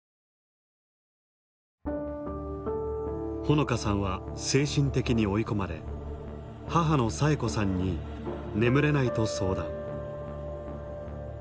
穂野香さんは精神的に追い込まれ母の佐永子さんに眠れないと相談。